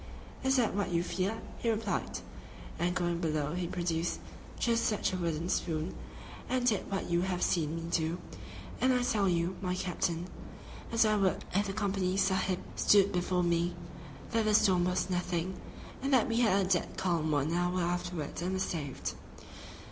"Is that what you fear?" he replied, and going below he produced just such a wooden spoon and did what you have seen me do, and I tell you, my captain, as I would if the "Company Sahib" stood before me, that the storm was nothing, and that we had a dead calm one hour afterwards and were saved.